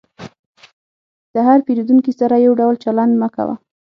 د هر پیرودونکي سره یو ډول چلند مه کوه.